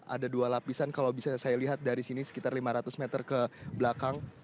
ada dua lapisan kalau bisa saya lihat dari sini sekitar lima ratus meter ke belakang